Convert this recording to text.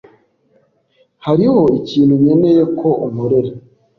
Hariho ikintu nkeneye ko unkorera.